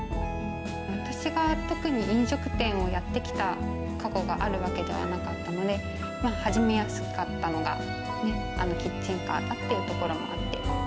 私が特に飲食店をやってきた過去があるわけではなかったので、始めやすかったのがキッチンカーだっていうところもあって。